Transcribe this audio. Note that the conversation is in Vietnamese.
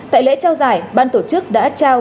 tại lễ trao giải ban tổ chức đã trao